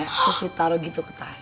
terus ditaruh gitu ke tas